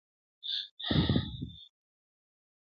چي اسمان ورته نجات نه دی لیکلی٫